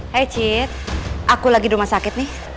hai cit aku lagi di rumah sakit nih